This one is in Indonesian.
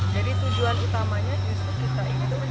jadi tujuan utamanya justru kita ini